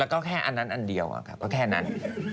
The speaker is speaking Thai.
แล้วก็แค่อันนั้นอันเดียวก็แค่นั้น